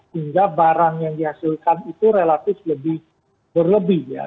hingga barang yang dihasilkan itu relatif lebih berlebih ya